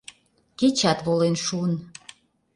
Кечат волен шуын.